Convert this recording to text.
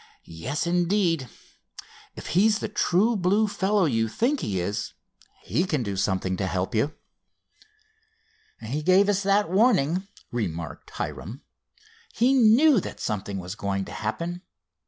"Yes, indeed. If he's the true blue fellow you think he is he can do something to help you." "He gave us that warning," remarked Hiram. "He knew that something was going to happen.